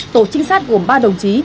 tổ trinh sát gồm ba đồng chí